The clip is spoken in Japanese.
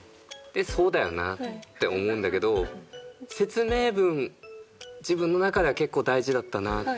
そうだよなって思うんだけど説明文自分の中では結構大事だったなって思う時。